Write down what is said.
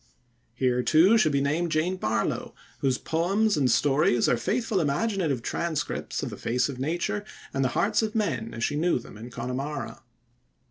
Here, too, should be named Jane Barlow, whose poems and stories are faithful imaginative transcripts of the face of nature and the hearts of men as she knew them in Connemara.